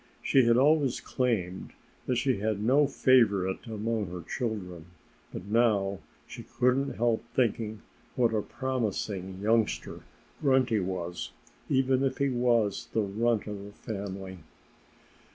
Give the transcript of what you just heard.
She had always claimed that she had no favorite among her children. But now she couldn't help thinking what a promising youngster Grunty was, even if he was the runt of the family.